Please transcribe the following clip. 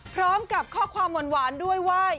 พร้อมกับข้อความหวานด้วยว่า